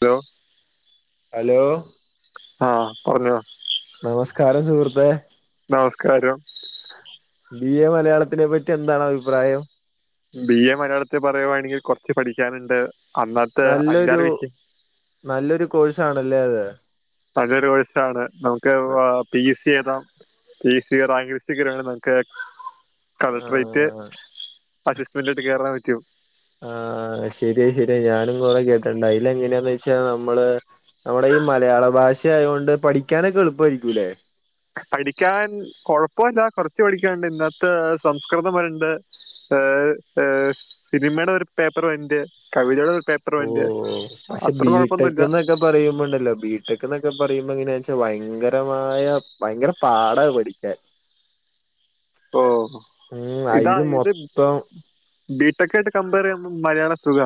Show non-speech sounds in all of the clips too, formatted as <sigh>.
Hello hello ആഹ് പറഞ്ഞോ നമസ്കാരം സുഹൃത്തെ നമസ്കാരം ബി എ മലയാളത്തിനെ പറ്റി എന്താണ് അഭിപ്രായം ബി എ മലയാളത്തിൽ പറയുവാണെങ്കിൽ കുറച്ച് പഠിക്കാനുണ്ട് അന്നത്തെ നല്ലൊരു അഞ്ചാറ് വിഷയം നല്ലൊരു കോഴ്സാ ണല്ലേ അത് നല്ലൊരു കോഴസാണ്നമുക്ക് പി എ സി എയ്താം പി എസ് സി റാങ്ക് ലിസ്റ്റിൽ കയറി നിക്ക് കളക്ടറേറ്റ് ആഹ് അസിസ്റ്റ്മെന്റ് ആയിട്ട് കയറാൻ പറ്റും ആ ശരിയാ ശരി ഞാനും കൊറേ കേട്ട്ണ്ട് അതിലെ ങ്ങനെയാന്ന് വെച്ചാ നമ്മള് നമ്മുടെ ഈ മലയാള ഭാഷ ആയുകൊണ്ട് പഠിക്കാനൊക്കെ എളുപ്പമായിരിക്കൂല്ലേ പഠിക്കാൻ കൊഴപ്പല്ല കൊറച്ച് പഠിക്കാണ്ട് ഇന്നത്തെ സംസ്കൃതം വരണ്ട് ഏയ് എയ് സിനിമയുടെ ഒരു പേപ്പർ വരുന്നുണ്ട് കവിതയുടെ ഒരു പേപ്പർ ഓ വരുന്നുണ്ട് പക്ഷെ അത്ര കുഴപ്പമൊന്നുമില്ല ബിടെക്ന്ന് ക്കെ പറയുമ്പോണ്ടല്ലോ ബീടെക്ക് എന്നൊക്കെ പറയുമ്പോ എങ്ങനെയ വെച്ച ഭയങ്കരമായ ഭയങ്കര പാടാണ് പഠിക്ക ക്കാൻ ഓ ഇതാ ഇത് മൊത്തം ബിടെക്കായിട്ട് കമ്പയർ ചെയ്യുമ്പോ മലയാളം സുഖ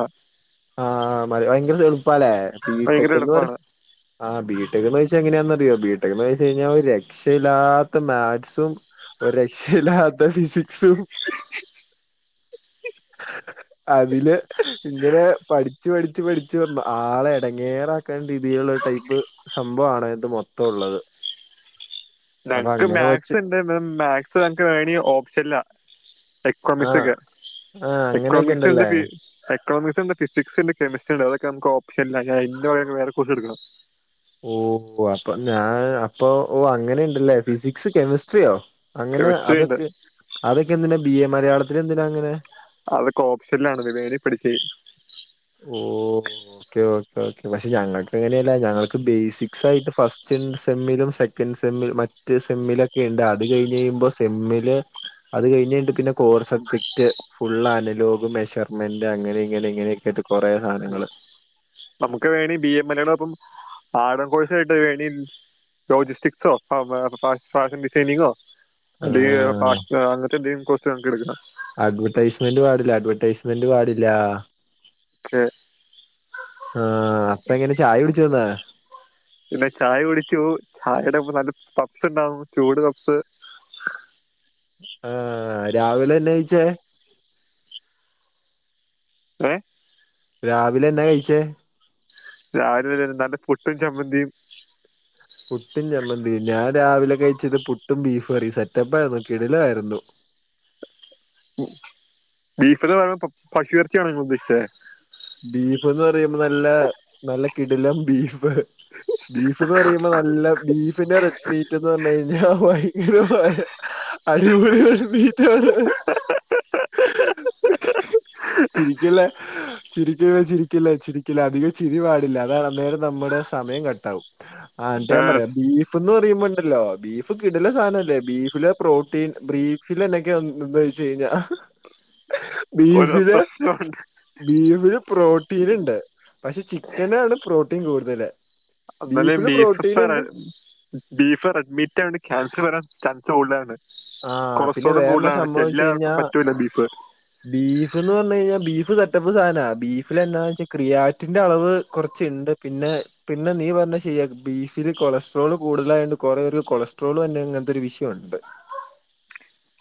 ആ മലയാളം ഭയങ്കര എളുപ്പാല്ലേബീ ഭയങ്കര ട്ടക്കന്ന് പറ എളുപ്പമാണ് ആ ബിടെക് എന്ന് വെിച്ച എങ്ങനാന്നറിയോ ബിടെക് എന്ന് വെച്ച് കഴിഞ്ഞാൽ ഒരു രക്ഷയില്ലാത്ത മാക്സും ഒരു രക്ഷയിലാത്ത ഫിസി സും അതില് ഇങ്ങനെ പഠിച്ചു പഠിച്ചു പഠിച്ചു ആളെ ഇടങ്ങേറാക്കാൻഉള്ളരീതിയിലുള്ള ടൈപ്പ് സംഭവമാണ് ഇത് മൊത്തംള്ളത് ഞങ്ങക്ക് മാക്സ് ഉണ്ട് മാക്സ് വേണേ ഓപ്ഷൻല്ല ആഹ് എക്ണോമിക്സ്ഒക്കെ ആഹ് അങ്ങനെയൊക്കെ എക്ണോമിക്സ് ണ്ട് ഇണ്ടല്ലേ പി എക്ണോമിക്സ് ണ്ട് ഫിസിക്സ് ണ്ട് കെമിസ്ട്രി ണ്ട് അതൊക്കെ നമ്മക്ക് ഓപ്ഷൻ ലാ <unintelligible> വേറെ കോഴ്‌സഇടക്കണം. ഓ അപ്പൊ ഞാൻ അപ്പൊ ഓ അങ്ങനെ ഉണ്ടല്ലേ ഫിസിക്സ് കെമിസ്ട്രിയോ അങ്ങനെ കെമിസ്ട്രി ഉണ്ട് അതൊക്കെ അതൊക്കെ എന്തിനാ ബി എ മലയാളത്തി ൽ എന്തിനാ അങ്ങനെ അത്‌ ഒക്കെ ഓപ്ഷൻ ൽ ആണ് വേണെപടിച്ച മതി ഓ.. ഓക്കെ ഓക്കെ ഓക്കെ പക്ഷെ ഞങ്ങൾക്ക് എങ്ങനെയല്ല ഞങ്ങൾക്ക് ബേസിക് സ് ആയിട്ട് ഫസ്റ്റും സെമ്മിലും സെക്കന്റ് സെമ്മിൽ മറ്റ് സെമ്മിലൊക്കെ ഉണ്ട് അത് കഴിഞ്ഞ് കഴുമ്പോ സെമ്മില് അത് കഴിഞ്ഞണ്ട് പിന്നെ കോർ സബ്ജക്ട്. ഫുള്ള്അനലോഗ് മെഷർമെന്റ് അങ്ങനെ ഇങ്ങനെ ഇങ്ങനെയൊക്കൊയിട്ട് കുറേ സാധങ്ങങ്ങള് നമുക്ക് വേണെ ബി എ മലയാളം അപ്പം ആഴം കോഴ്സായിട്ട് വേണീ ജോയിക് സ്‌റ്റിക്സോ <unintelligible> ഫാഷൻ ഡിസൈനിങ്ങോ അതെ ആഹ് അങ്ങനത്തെ എന്തെങ്കും കോഴ്സ് ഞങ്ങക്ക് എടുക്കണം അഡ്വർടൈസ്മെന്റ് പാടില്ല അഡ്വർടൈസ്മെന്റ് പാടില്ല. ഓകെ ആഹ് അപ്പ എങ്ങനെ ചായ കുടിച്ചോ ഇന്ന് പിന്നെ ചായ കുടിച്ചു ചായയുടെ നല്ല പപ്സ് ഉണ്ടാവും ചൂട് പപ്സ് ആഹ് രാവിലെന്നെകഴിചെ ഏ. രാവിലെ എന്നാ കഴിച്ചേ രാവിലെ എന്താണ് നല്ല പുട്ടും ചമ്മന്തിയും പുട്ടും ചമ്മന്തി ഞാൻ രാവിലെ കഴിച്ചത് പുട്ടും ബീഫ് കറി സെറ്റപ്പായിരുന്നു കിടിലം ആരുന്നു ബീഫ് പറഞ്ഞെ പശു എറച്ചി യാണോ ഉദ്ദേശിച്ചേ ബീഫ്ന്ന് പറയുമ്പോ നല്ല നല്ല കിടിലം ബീഫ്. ബീഫ് എന്ന് പറയുമ്പോ നല്ല ബീഫിന്റെ റെഡ്മീറ്റ് എന്ന് പറ. ഞാൻ ഭയങ്കര ഫാൻ അടിപൊളി മീറ്റ്. ചിരിക്കല്ലേ. ചിരിക്ക ചിരിക്കില്ല ചിരിക്കില്ല അധികം ചിരി പാടില്ല അതാന്നേരം നമ്മുടെ സമയം കട്ടാവും. ആന്നട്ട് ഞാൻ പറയാ ഏഹ് ബീഫ്ന്ന് പറയുമ്പോണ്ടല്ലോ ബീഫ് കിടിലം സാധനല്ലേ ബീഫില്പ്രോട്ടീൻ ബീഫ് ഒരു <unintelligible> പ്രശ്നമുണ്ട് ബീഫില് പ്രോട്ടീൻ ഉണ്ട് പക്ഷെ ചിക്കനാണ് പ്രോട്ടീൻ കൂടുതല്. അന്നാലും ബീഫില് ബീഫ് പ്രോട്ടീൻ ഉണ്ട് <unintelligible> ബീഫ് റെഡ്മിറ്റ് ആണ് ക്യാൻസർ വരാൻ ചാൻസ് കൂടുതൽ ആണ്. ആ പിന്നെ കൊളസ്ട്രോളും വേറെന്നാ കൂടുതലാണ് എല്ലാവർക്കും പറ്റൂല്ല ബീഫ്. ബീഫ് എന്ന് പറഞ്ഞ കഴിഞ്ഞൽ ബീഫ് സെറ്റപ്പ് സാധന ബീഫിൽ എന്താന്ന് വെച്ചാൽ ക്രിയാറ്റിന്റെറെ അളവ് കുറ ച്ചുണ്ട് പിന്നെ. പിന്നെ നീ പറഞ്ഞ ശെരിയാ ബീഫില് കൊളസ്ട്രോള് കൂടുതലായണ്ട് കുറെ പേർക്ക് കൊളസ്ട്രോള് തന്നെ ഇങ്ങനത്തെ ഒരു വിഷയമുണ്ട്.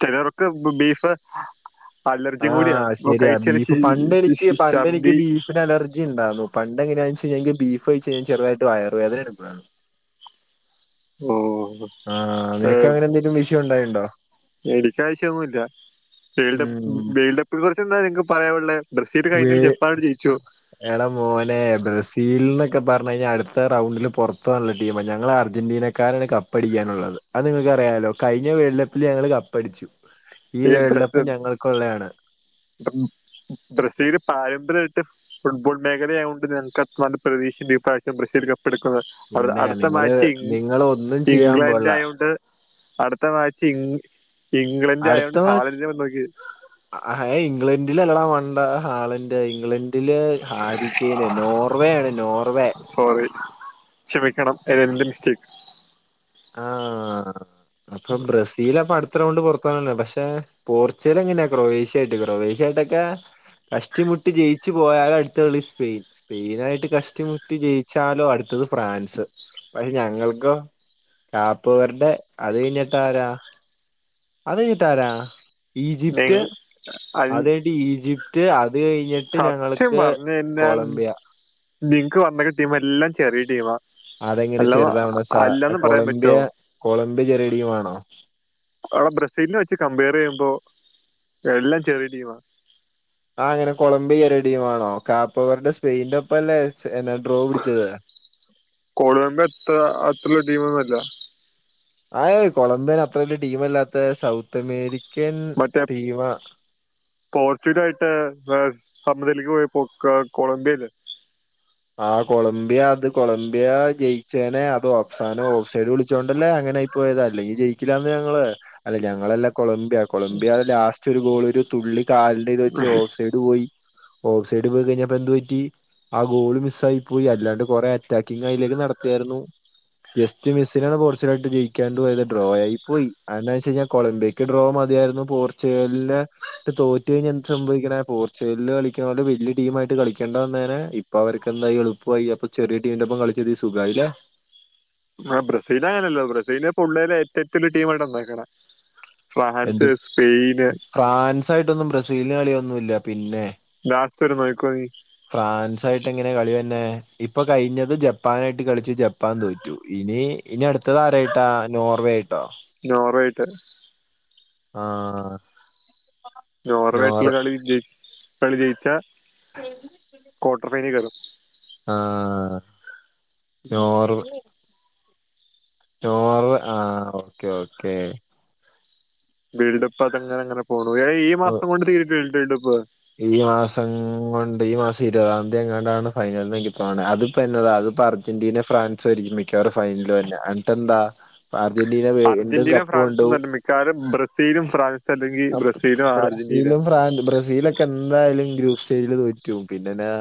ചേലോർക്ക്‌ ബീഫ്. അലർജി ആ ശരിയാ കൂടിയാകഴിച്ച <unintelligible> ഛർദി പിന്ന അലർജി ഉണ്ടാവുന്നു പണ്ട എങ്ങനാെച്ച ബീഫ്കഴിച്ചൽ ചെറുതായിട്ട് വയർവേദന എടുക്കു വയർന്നു. മ്മ്. ആഹ നിനക്ക് അങ്ങനെ എന്തെങ്കിലും വിഷയം ഉണ്ടായുണ്ടോ? എനിക്ക് ആ വിശ്യം ഒന്നുല്ല വേൾഡ് കപ്പിനെ ഉം ബീൽഡപ്പെ കുറച്ച് എന്താ നിങ്ങക്ക് പറയാൻുള്ളത്? ബ്രസീൽ വേ കഴിഞ്ഞതിൽ ജപ്പാൻ ജയിചോ? എടാ മോനെ ബ്രസീൽ എന്നൊക്കെ പറഞ്ഞ കഴിഞ്ഞാൽ അടുത്ത റൌണ്ടിൽപുറതു പോകാനുള്ള ടീം ആ ടീം ഞങ്ങള് അർജന്റീന ക്കാരാണ് കപ്പടിക്കാനുള്ളത് അത് നിങ്ങൾക്കറിയാലോ കഴിഞ്ഞ വേൾഡ് കപ്പിൽ ഞങ്ങൾ കപ്പടിച്ചു ഈ വേൾഡ് ബ്രസ് കപ്പ് ഞങ്ങൾക്കുള്ളതാണ് ബ്രസീല് പാരമ്പര്യായിട്ട് ഫുട്ബോൾ മേഖലയായൊണ്ട് ഞങ്ങൾക്ക് നല്ല പ്രതീക്ഷയും ഇപ്രാവ്യം ബ്രസീൽ കപ്പെടുക്കുന്നത് അ പിന്നെ അടുത്ത നിങ്ങള് മാച്ച് നിങ്ങള് ഒന്നും ചെയ്യാൻ ഇംഗ്ലണ്ട് പോണില്ല ആയോണ്ട് അടുത്ത മാച്ച് ഇംഗ്ലണ്ട് ആയൊണ്ട് ഹലാൻഡിനെ നോക്കിയ ആഹ് ഇംഗ്ലണ്ടില് അല്ലടാ മണ്ട ഹാലണ്ട് ഇംഗ്ലണ്ടില് ഹാരി <unintelligible> നോർവേ ആണ് നോർവേ സോറി ക്ഷമിക്കണം അത് എന്റെ മിസ്റ്റേക്ക് ആഹ് അപ്പ ബ്രസീൽ <unintelligible> കഷ്ടിമുട്ടി ജയിച്ചു പോയാലട്ത്ത കളി സ്പെയ്ൻ സ്പെയിനായിട്ട് കഷ്ടിമുട്ടി ജയിച്ചാലോ അട്ത്തത് ഫ്രാൻസ്, പക്ഷെ ഞങ്ങൾക്കോ രാപ്പവര്ടെ അത് കഴിഞ്ഞിട്ടാരാ അത് കഞ്ഞിട്ടാരാ ഈജിപ്റ്റ് അത് കഴിഞ്ഞിട്ട് ഈജിപ്റ്റ് അത് കഴിഞ്ഞിട്ട് സത്യം ഞങ്ങൾക്ക് പറഞ്ഞു കഴിഞ്ഞാൽ കൊളംബിയ നിങ്ങക്ക് വന്നക്കെ ടീം എല്ലാം ചെറിയ ടീമാ അതെങ്ങനെ അല്ലെന്ന് ചെറുതാവണ സ അല്ലെന്ന് പറയാൻ കൊളംമ്പിയ പറ്റുമോ കൊളമ്പിയ ചെറിയ ട്ടീമാണോ? അടെ ബ്രസീൽനെ വെച്ച് കമ്പയറെയ്യുമ്പോ എല്ലം ചെറ്യേ ടീമാ അതെങ്ങനെ കൊളംബി കേറിയ ടീമാണോ കാപ്പവര്ടെ സ്പെയിൻന്റെ ഒപ്പല്ലേ ന് പിന്നെ ഡ്രോവ് പിടിച്ചത്. കോളംമ്പിയ അത്ര അത്രല്ല്യ ടീമന്നുല്ല. ആഹ് കൊളംബിയൻ അത്ര വലിയ ടീമല്ലാത്ത സൗത്ത് അമേരിക്കൻ ടീമാ പോർച്ചഡായിട്ട് സമനിലക്ക് പോയപ്പോ കൊ കൊളംബിയല്ലേ. ആഹ കൊളംബിയ അത് കൊളംമ്പിയ ജയിച്ചേന അത് ഓഫ്സാനോ ഓഫ് സൈഡ് വിളിച്ചോണ്ടല്ലേ അങ്ങനെ- പോയത് അല്ലങ്കിൽ ജയിക്കില്ലാന്ന് ഞങ്ങള് അല്ല ഞങ്ങളല്ല കൊളംമ്പിയ കൊളംബിയ ലാസ്റ്റ് ഒരു ഗോള് ഒരു തുള്ളി കാൽന്റെ ഇത് വെച്ച് ഓഫ് സൈ പോയി ഓഫ് സൈഡ് പോയി കയ്ഞ്ഞപ്പൊ എന്തു പറ്റി? ആ ഗോള് മിസ് ആയി പോയി അല്ലാണ്ട് കൊറെ അറ്റാക്കിംഗ് ആയിലേക്ക് നടക്കുവയിരുന്നു ജസ്റ്റ് മിസ്സിനാണ് പോർച്ച് യിട്ട് ജയിക്കാണ്ട് പോയത് ഡ്രോ ആയി പോയി അത് വെച്ച കഴിഞ്ഞാൽ കൊളംബിയ ക് ഡ്രോ മതിയായിരുന്നു പോർച്ചുഗലിനെ തോറ്റു കയിഞാ എന്ത്‌ സംഭവിക്കണേ പോർച്ചുഗലിൽ കളിക്കുന്ന പോലെ വലിയ ടീ ആയിട്ട് കളിക്കണ്ടന്നരെ ഇ അപ്പ അവർക്കെന്തായി എളുപ്പയി അപ്പൊ ചെറിയടീംന്റെ ഒപ്പം കളിച്ചത് സുഖയില്ലേ ആഹ് ബ്രസീൽ അങ്ങനല്ലോ ബ്രസീലിനെ പുള്ളേഏറ്റ ഒരു ടീംമായിട്ട് ഉണ്ടാക്കണ എന്ത് ഫ്രാൻസ് സ്പെയിന് ഫ്രാൻസ് ആയിട്ടൊന്നും ബ്രസീലന് കളിയൊന്നുല്ല പിന്നെ ലാസ്റ്റ് ഒരു മണിക്കൂർ നീ ഫ്രാൻസ് ആയിട്ട് എങ്ങനെ കളി വര്ണെ ഇപ്പൊ കയ്ഞ്ഞത് ജപ്പാനായിട്ട് കളിച്ചു ജ ജപ്പാൻ തോറ്റു ഇനി ഇനി അടുത്ത താരായിട്ടാ നോർവേ ആയിട്ടോ? നോർവേയിട്ട് ആഹ് നോർ നോർവായിട്ടുള്ള കളി വിജയി കളി ജയിച്ച <unintelligible> ക്വാട്ടർ ഫൈനൽ <unintelligible> ആഹ് <unintelligible> ചോറ് ആ ഓക്കെ ഓക്കേ ബിൽഡപ്പ് അതെങ്ങനെ അങ്ങനെ പോണ ഏ ഈ മാസം കൊണ്ട് തീരി <unintelligible> ഈ മാസം കൊണ്ട് ഈ മാസം ഇരുപതാം തീയതി എങ്ങാണ്ടാണ് ഫൈനൽനങ്കി തോണേ അതിപ്പ എന്നതാ അത്പ്പോ അർജ ജൻ്റീന ഫ്രാൻസ ആയിരിക്കും മിക്കവാറും ഫൈനലിൽ വരുന്നെ അന്നിട്ട് എന്താ അർജന്റീന വീണ്ടും കപ്പുകൊണ്ടോകും ക്കാറും ബ്രസീലും ഫ്രാൻസ് അല്ലെങ്കിൽ അ ബ്രസീലും അർജന്റീന ബ്രസീലും ഫ്രാൻഡ് ബ്രസീലൊ എന്തായാലും ഗ്രൂപ്പ് സ്റ്റേജില് തോറ്റും പിന്നെന്നെ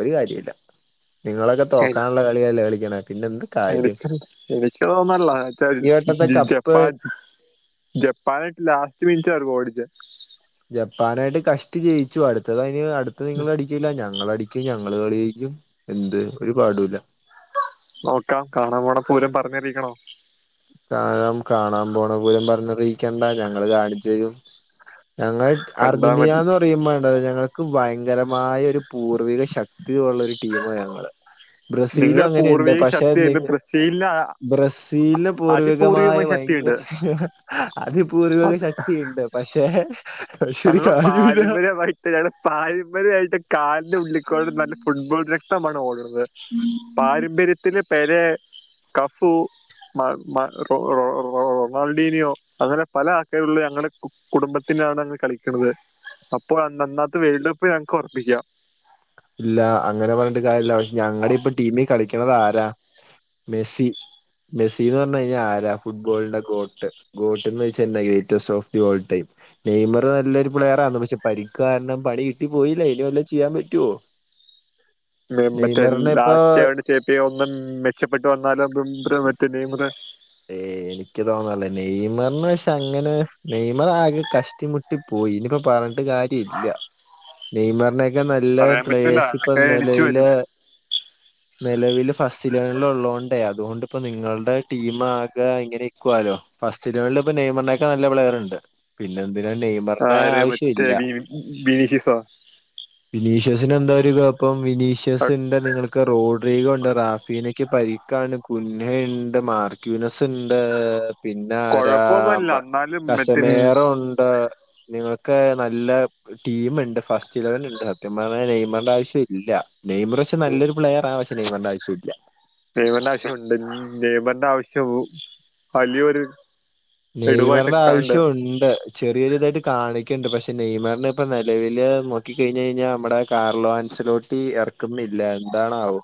ഒരു കാര്യം ഇല്ല നിങ്ങളൊക്കെ തോക്കാനുള്ള കളിയല്ല കളിക്കണ പിന്നെ എന്ത് കാര്യം എളിക്ക എളിക്കോന്നല്ല ഈ വട്ടത്തെ കപ്പ് ജപ്പാ ജപ്പാൻ ലാസ്റ്റ് വിഞ്ച ഒരു ഗോൾ അടിച്ചേ ജപ്പാനായിട്ട് കഷ്ട് ജയിച്ചു അടുത്തത് അതിന് അടുത്ത നിങ്ങ ല്ല ഞങ്ങള അടിക്കും ഞങ്ങള് കളിക്കും എന്ത് ഒരു പാടില്ല നോക്കാം കാണാൻ പോണ പൂരം പറഞ്ഞറിരിക്കണോ കാണാം കാണാൻ പോണ പോലും പറഞ്ഞറിയിക്കണ്ടാ ഞങ്ങള്ൾ കാണിച്ചരും ഞങ്ങൾ കണ്ടാ അർജന്റീന മതി എന്ന് പറയുമ്പോണ്ടത് ഞങ്ങൾക്ക് ഭയങ്കരമായ ഒരു പൂർവിക ശക്തി <unintelligible> ള്ള ഒരു ടീം ഞങ്ങള് ബ്രസീലും നിങ്ങൾ അങ്ങനെയുണ്ട് പൂർവിക പക്ഷെ നി ശക്തിയുണ്ട് ബ്രസീലിന് അ- ബ്രസീലും പൂർവികമായ അതിപൂർവികമായ ഭയങ്കര ശക്തിയുണ്ട് അതിപൂർവിക അത് ശക്തിയ ഉണ്ട് പക്ഷെ <unintelligible> ഞടെ പാരമ്പര്യമായിട്ട് കാലിന്റെ ഉള്ളിക്കോളത്ത് നല്ല ഫുട്ബോൾ രക്തമാണ് ഓടുന്നത് പാരമ്പര്യത്തി പെരെ കഫു <unintelligible> റൊണാൾഡോനെയോ അങ്ങനെ പല ആൾക്കാുള്ള ഞങ്ങളുടെ കുടുംബത്തിനാണ് കളിക്കണുന്നത് അപ്പൊന്നാത്ത് വേൾഡ് കപ്പ്‌ ഞങ്ങക്ക് ഉറപ്പിക്കാം ഇല്ല അങ്ങനെ പറഞ്ഞിട്ട് കാര്യല്ല പക്ഷെ ഞങ്ങളുടെ ഇപ്പ ടീമിൽ കളിക്കനത് ആരാ മെസ്സി മെസ്സിീ എന്ന് പറഞ്ഞഞ് കഴിഞ്ഞാൽ ആരാ ഫുട്ബോളിന്റെ കോട്ട് ഗോട്ട്ന്ന് വെച്ചാ ഗേറ്റ്േസ് ഓഫ് ദി വേൾഡ്ടൈം നെയ്മർ നല്ലൊരു പ്ലെയറ ആന്ന് പക്ഷെ പക്ക് കാരണം പണി കിട്ടിപ്പോയില്ലേ ഇനി വല്ലോം ചെയ്യാൻ പറ്റുവോ മറ്റേ നെയ്മറിനെ ഇപ്പൊ ലാസ്റ്റ് ആ ചേപ്പിയ ഒന്നും മെച്ചപ്പെട്ട് വന്നാലും മറ്റേ നെയ്മർ ഏ എനിക്ക് തോന്നല്ലേ നെയ്മർന്ന് വച്ചാ അങ്ങനെ നെയ്മർ ആകെ കഷ കുറ്റി മുട്ടി പോയി ഇനിപ്പോ പറഞ്ഞിട്ട് കാര്യം ഇല്ല നെയ്മറിന െ <unintelligible> നല്ല പറയാൻ പറ്റൂല പ്ലേസ് ഇപ്പൊ അതൊക്കെ എണിച്ചു വരും നിലവില് നിലവിൽ ഫസ്റ്റ് ഇലവനൽ ഉള്ളതോൊണ്ടേ അതുകൊണ്ട്ിപ്പോ നിങ്ങളുടെ ടീം ആക ഇങ്ങനെ ഇക്കുല്ലോ ഫസ്റ്റ് ഇ നെയ്മണ ഒക്കെ നല്ല പ്ലെയർുണ്ട് പിന്നെ എന്തിനാ നെയ്മറിന്റെ ആര് ആവശ്യ മറ്റേ ഇല്ല വിനീഷിസോ വിനീഷ്യസിന് എന്താ ഒരു കുഴപ്പം വിനീഷ്യസൻ ണ്ടോ നിങ്ങൾ ക്കെ റോഡ് രീഖണ്ട് റാഫീനക്ക പരിക്കാണ് കുന്നുണ്ട് മാർ ക്യുനസ് ഉണ്ട് പിന്നരാ കൊഴപ്പൊന്നുമല്ല എന്നാലും മറ്റേ കശമേറുണ്ട് നിങ്ങൾക്ക് നല്ല ടീമുണ്ട് ഫസ്റ്റ് ഇലവൻ ഉണ്ട് സത്യം പറഞ്ഞാൽ നെയ്മറിടെ ആവശ്യ ഇല്ല നെയ്മ നല്ലൊരു പ്ലെയർ ആവശ്യ നെയ്മറിന്റെ ആവശ്യമില്ല നെയ്മറിന്റെ ആവശ്യംണ്ട് നെയ്മറിന്റെ ആവശ്യം വലിയൊരു നെയ്മറടെ എടുവായിട്ടൊക്കെ കണ്ട് ആവശ്യംണ്ട് ചെറിയൊരി ഇതായിട്ട് കാണിക്കുന്നുണ്ട്. പക്ഷെ നെയ്മറിന ഇപ്പം നിലവിൽ നോക്കി കഴിഞ്ഞഞ് കഴിഞ്ഞാൽ നമ്മുടെ കാർലോൻസിലോട്ട് ടീം ഇറക്കുന്നില്ല എന്താണാവോ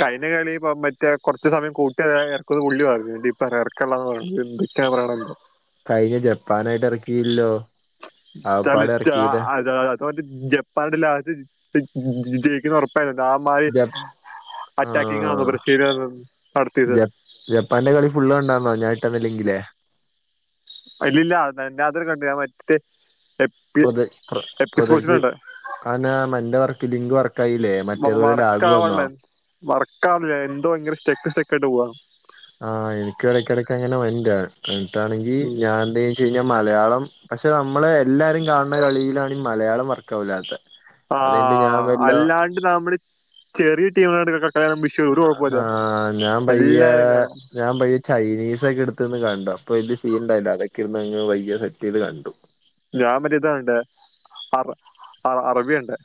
കൈന കളിപ്പ മറ്റേ കുറച്ച് സമയം കൂട്ടി ഇർക്കുന്നത് പുള്ളിയുമായിയിരുന്നുഈ പറയാറ <unintelligible> എന്തൊക്കെ പറയണോ എന്തോ കഴിഞ്ഞ ജപ്പാനായിട്ട് ഇറക്കിയില്ലോ തല ആകപ്പാടെ ഇറക്കിയത് അത അത ജപ്പാന്റെ ലാസ്റ്റ് ജയിക്കുന്ന ഉറപ്പ ആ മാരി ജപ് അറ്റാക്കിങ്ങ ആഹ് ഇവര് സ്ഥിരം നടത്തിയത് ജപ് ജപ്പാന്റെ കളി ഫുള് കണ്ടാർന്നോ ഞാട്ട്തന്ന ലിങ്കിൽ അയ്‌ലി. ല്ല അത്ര കണ്ടു ഞൻ മറ്റ പ്രൊ പ്രൊജക്റ്റ്‌ അതന്നെ പറഞ്ഞേ ഇന്റെ വർക്ക് ലിങ്ക് വർക്ക് ആയില്ലേ മറ്റേതുപോലെ ലാഗു വന്നോ വർക്കാവുന്നില്ല, എന്തോ ഭയങ്കര സ്റ്റെക്ക് സ്റ്റെക്ക ആയിട്ട് പോവാ ആ എനിക്കും ഇടയ്ക്കിടയ്ക്ക് അങ്ങനെ വരണ്ട് ഇൻക്കണെങ്കിൽ ഉം. ഞാന്റെ കഴിഞ്ഞാൽ മലയാളം പക്ഷെ നമ്മള് എല്ലാരും കാണുന്ന കളിയിലാണ് ഈ മലയാളം വർക്കവില്ലാത്ത അത് കൈഞ്ഞിറ്റ് ഞാൻ പിന്ന ഇത് കബഡി ചെറിയ ടീമാ <unintelligible> മിഷ് അ ആഹ് ഞാൻ പയ്യേ കാണും ഞാൻ പയ്യെ ചൈനീസ. യെ ടുക്കുന്നകണ്ടു അപ്പൊ വല്യ സീനുണ്ടായില്ലവെക്കുന്നെങ്ങ് വയ്യെ സെറ്റ് ചെയ്ത് കണ്ടു ഞാൻ മറ്റേയിതാ കണ്ടേ അറ അറബിയ ണ്ടേ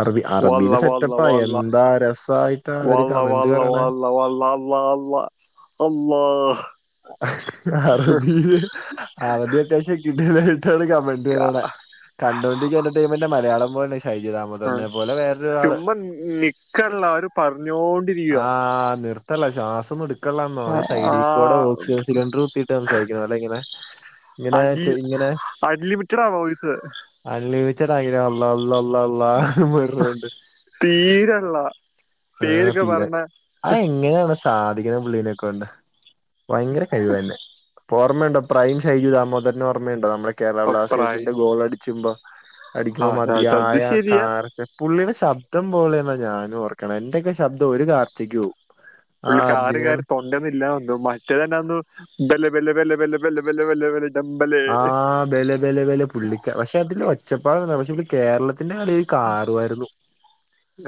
അറബി അറബിയില് വള്ള വള്ള സെറ്റപ്പാ വള്ള എന്താ രസായിട്ടാ അവര് കമന്റ് വള്ള പറയണെ വള്ള വള്ള അള്ളാ അള്ളാ അല്ലാഹ് അറബില് അറബി അത്യാവശ്യം കിട്ടി കിട്ടാണ് <unintelligible> കണ്ടോന്റെ എന്റർറ്റയ്മന്റെ മലയാളം പോലെ ശൈജുദാമോദരന്റെ പോലെ വേറൊരാള് <unintelligible> കെല്ലാരും പറഞ്ഞോണ്ട് ആഹ നിർത്തല്ലെ ശ്വാസംമുടി നിർത്തേല്ലെന്നോ ഈ ആ സൈടികൂടെ ഓക്സിജൻ സിലിണ്ടർ കുത്തിയിട്ട് സംസാരിക്കണം അല്ലെ ഇങ്ങനെ ഇങ്ങനെ അജി ഇങ്ങനെ അൻലിമിറ്റഡ ആ വോയ്സ് അൻലിമിറ്റടാ ആയി അല്ല അല്ല അല്ല വേറാൻഡ് തീരല്ല ആഹ തീരാ അ എങ്ങനെയാണ് സാധിക്കണെ പുള്ളീനെക്കൊണ്ട് വയങ്കരകഴിവന്നേ ഓമ്മയുണ്ടോ പ്രൈം ശൈജിദാമോദരനെ ഓർമ്മയുണ്ടോ നമ്മള കേരള ഒപ്പറായി ബ്ലാസ്റ്റേഴ്സിന്റെ ഗോൾ അടിച്ചുമ്പോ ആ അടിക്കുമ്പോ അത് മതിയായ ശരിയാ കാർ പുള്ളിയുടെ ശബ്ദം പോലെന്നാ ഞാനും ഓർക്കണെ എന്റെക്കെ ശബ്ദം ഒരു കാർച്ചകോം പുള്ളി കാറി കാറി തൊണ്ടന്നില്ലതോന്ന് മറ്റേ തന്നെന്നു ബല്ലെ ബല്ലെ ബല്ലേ ബല്ലേ ബല്ലേ ബല്ലേ ആ ബലെ ബലെ ബലെ പുള്ളിക്ക പക്ഷെ അതിന്റെ ഒച്ചപ്പാടം പക്ഷെ ഇടെ കേരളത്തിന്റെ കളി കാറുവായിരുന്നു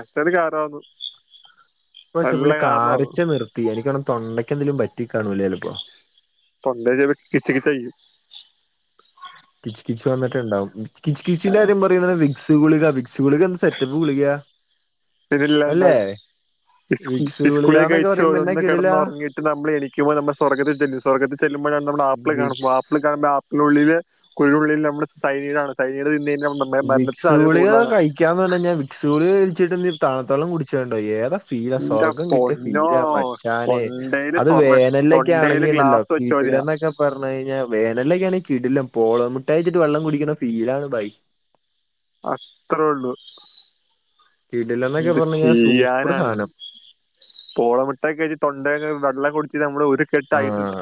എത്തല് കാറായിന്നു പക്ഷെ പുള്ളി കാറിച്ച നിർത്തി എനിക്കണം തൊണ്ടക്കെന്തേലും പറ്റി കാണൂലേ അലപ്പൊ തൊണ്ടേല് പ്പം കിച് കിച്ചയിരിക്കും കിച്ച് കിച്ച് വന്നിട്ടുണ്ടാവും കിച്ചച്ച് കിച്ചിന്റെ കാര്യം പറയുബൊ വിക്സ് കുളിക <unintelligible> സെറ്റപ്പ് ഗുളികാ പ്പൊതിലാണ്ടായി വിക്സ് പിസ്സ്കുള ഗുളികാന്നൊക്കെ കഴ്ച്ചു പറയുമ്പോ എന്നാ ഒന്ന് കിടിലാ കിടന്നുറങ്ങിട്ട് നമ്മൾ എനിക്കുമ്പോ നമ്മ സ്വർഗതിലെന്നു സ്വർഗത്തിൽ സിനിമ നമ്മ ആപ്പളെ കാണുമ്പോ വിക്സ് ആപ്പിളെ കാണുമ്പ- ഉള്ളില് കുഴിയുള്ളിൽ നമ്മുള് സൈടാണ് സൈട് തിരിഞ്ഞാൽ നി നമ്മുടെ മരണതിൻ സാധ്യതകൂടുതൽ ആണ് ക്ക്യാ എന്ന് പറഞ്ഞാൻ വിക്സ് കുളിക ഇച്ചിട്ട് താണത്തളം കുടിചാണ്ടായ ഏതാ ഫീല എന്റെ സ്വർഗം കിട്ടിയ പൊന്നോ ഫീല മച്ചാനെ തൊണ്ടയില് അത് സ്വർണ്ണ വേനലൊക്കെ തൊണ്ടയില് ആണെങ്കിലുണ്ടല്ലോ ഗ്ലാസ് വെച്ച പോലെയാ കിടിലംനൊക്കെ പറഞ്ഞ കഴിഞ്ഞാ വേനലിലൊക്കെ കിടിലം പോള മുട്ടയച്ചിട്ട വെള്ളംകുടിക്കുന്ന ഫീലാണ് ബായ് അത്രേള്ളൂ കിടിലംന്നൊക്കെ എന്ത് പറഞ്ഞു കഴിഞ്ഞാ സൂപ്പർ ചെയ്യാനാണ്. സാധനം പോളമിട്ടായി കയിച്ചു തൊണ്ടേലെ വെള്ളം കുടിച്ച് നമ്മള് ഒരു കെട്ട് ഐസ് ഇട്ട് ആഹ്